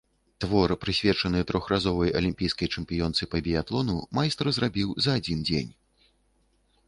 Твор, прысвечаны трохразовай алімпійскай чэмпіёнцы па біятлону, майстар зрабіў за адзін дзень.